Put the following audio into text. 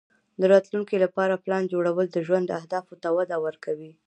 د راتلونکې لپاره پلان جوړول د ژوند اهدافو ته وده ورکوي.